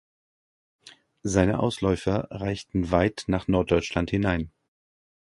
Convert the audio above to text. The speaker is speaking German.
Seine Ausläufer reichten weit nach Norddeutschland hinein.